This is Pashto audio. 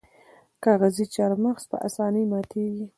کاغذي چهارمغز په اسانۍ ماتیږي.